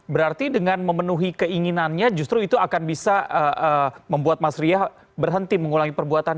berarti dengan memenuhi keinginannya justru itu akan bisa membuat mas ria berhenti mengulangi perbuatan